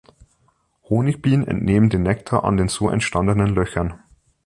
Honigbienen entnehmen den Nektar an den so entstandenen Löchern.